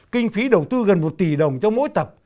kinh phí đầu tư gần một tỷ đồng cho mỗi tập